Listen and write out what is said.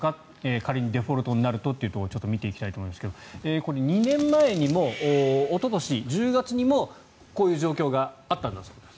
仮にデフォルトになるとというところを見ていきたいと思いますがこれ、２年前にもおととし１０月にもこういう状況があったんだそうです。